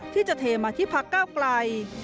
ที่จะเทมาที่พักก้าวไกล